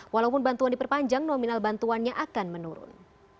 walaupun bantuan diperpanjang nominal bantuannya akan menurun